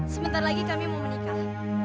sebentar lagi kami mau menikah